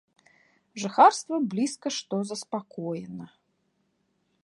Жыхарства блізка што заспакоена.